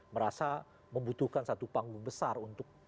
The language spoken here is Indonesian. merasa membutuhkan satu panggung besar untuk